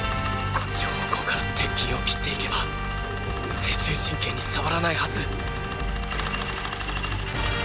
こっち方向から鉄筋を切っていけば正中神経に触らないハズ